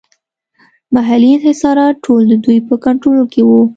محلي انحصارات ټول د دوی په کنټرول کې وو.